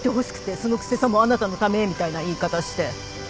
そのくせさもあなたのためみたいな言い方して。